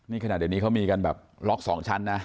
นี่ขนาดเดี๋ยวนี้เขามีกันแบบล็อก๒ชั้นนะ